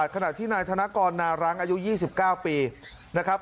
ขณะที่นายธนกรนารังอายุ๒๙ปีนะครับ